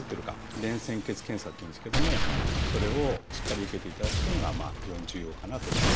「便潜血検査」っていうんですけどもそれをしっかり受けていただくというのが非常に重要かなと思いますね。